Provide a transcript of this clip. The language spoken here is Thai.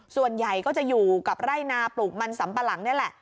ส่วนใหญ่ก็จะอยู่กับไร่นาปลูกมันสัมปะหลัง